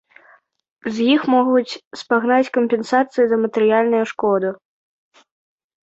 З іх могуць спагнаць кампенсацыю за матэрыяльную шкоду.